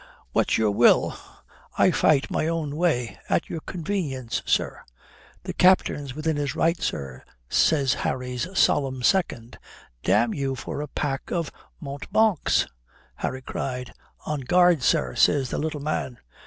"What's your will? I fight my own way. At your convenience, sir." "The Captain's within his right, sir," says Harry's solemn second. "Damn you, for a pack of mountebanks!" Harry cried. "On guard, sir," says the little man.